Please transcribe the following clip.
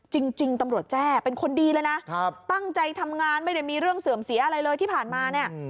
จริงตำรวจแจ้เป็นคนดีเลยนะตั้งใจทำงานไม่ได้มีเรื่องเสื่อมเสียอะไรเลยที่ผ่านมาเนี่ย